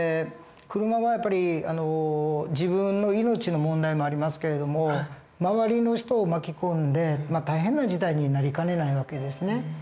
車はやっぱり自分の命の問題もありますけれども周りの人を巻き込んで大変な事態になりかねない訳ですね。